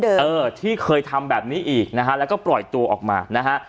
เออที่เคยทำแบบนี้อีกนะฮะแล้วก็ปล่อยตัวออกมานะฮะ